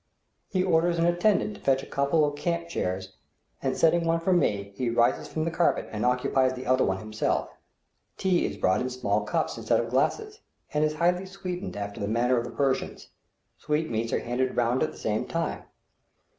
He orders an attendant to fetch a couple of camp chairs, and setting one for me, he rises from the carpet and occupies the other one himself. Tea is brought in small cups instead of glasses, and is highly sweetened after the manner of the Persians; sweetmeats are handed round at the same time.